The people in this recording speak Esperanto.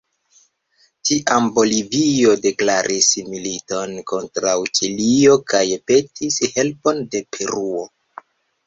Tiam Bolivio deklaris militon kontraŭ Ĉilio kaj petis helpon de Peruo.